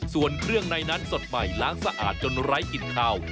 ส่วนเครื่องในนั้นสดใหม่ล้างสะอาดจนไร้กลิ่นขาว